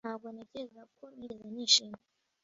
Ntabwo ntekereza ko nigeze nishima